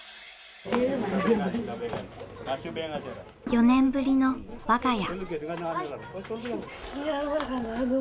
４年ぶりの我が家。